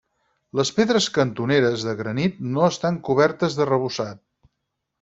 Les pedres cantoneres, de granit, no estan cobertes d'arrebossat.